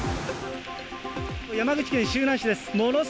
山口県周南市です。